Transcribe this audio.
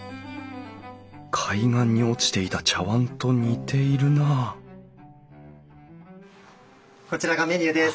海岸に落ちていた茶わんと似ているなこちらがメニューです。